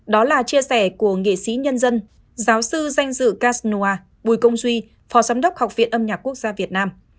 đó là chia sẻ của nghệ sĩ nhân dân giáo sư danh dự kasnoa bùi công duy phó giám đốc học viện âm nhạc quốc gia việt nam